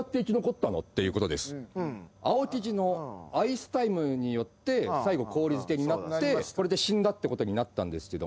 青キジのアイスタイムによって最後氷漬けになってこれで死んだってことになったんですけども。